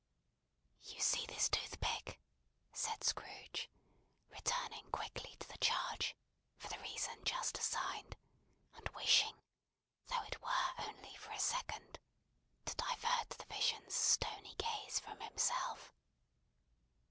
"You see this toothpick?" said Scrooge, returning quickly to the charge, for the reason just assigned; and wishing, though it were only for a second, to divert the vision's stony gaze from himself.